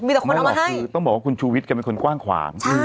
ไม่หรอกคือต้องบอกว่าคุณชูวิทย์แกเป็นคนกว้างขวาง